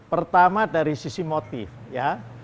pertama dari sisi motif ya